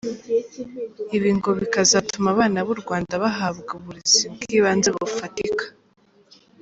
Ibi ngo bikazatuma abana b’u Rwanda bahabwa uburezi bw’ibanze bufatika.